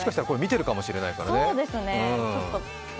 もしかしたらこれ見てるかもしれないからね。